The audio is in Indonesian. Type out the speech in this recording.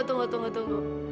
tunggu tunggu tunggu